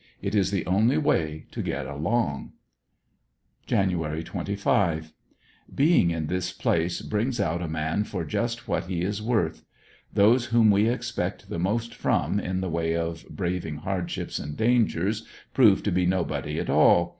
It is the only way to get along. Jan. 25. — Being in this place brings out a man for just what he he is worth. Those whom we expect the most from in the way of br&,ving hardships and dangers, prove to be nobody at all.